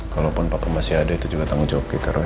kalaupun pakai masih ada itu juga tanggung jawab kita